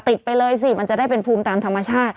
ไปเลยสิมันจะได้เป็นภูมิตามธรรมชาติ